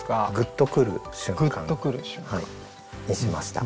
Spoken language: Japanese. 「グッとくる瞬間」にしました。